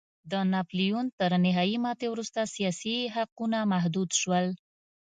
د ناپلیون تر نهايي ماتې وروسته سیاسي حقونه محدود شول.